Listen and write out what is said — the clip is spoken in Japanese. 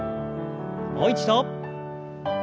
もう一度。